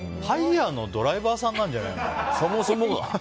ハイヤーのドライバーさんなんじゃないの？